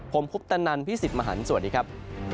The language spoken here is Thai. ผมคุปตะนันพี่สิทธิ์มหันฯสวัสดีครับ